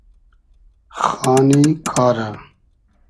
خانی کارۂ